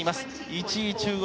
１位、中国。